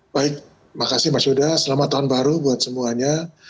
baik makasih mas yuda selamat tahun baru buat semuanya